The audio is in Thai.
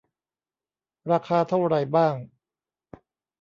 ราคาเท่าไหร่บ้าง